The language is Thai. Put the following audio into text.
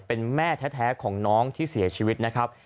เป็นแม่แท้ของน้องที่เสียชีวิตนะครับ